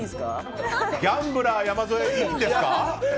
ギャンブラー山添いいんですか？